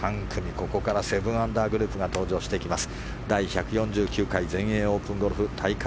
ここから７アンダーグループが登場してきます。